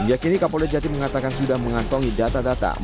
menjagini kapolda jatim mengatakan sudah mengantongi data data